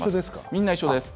みんな一緒です。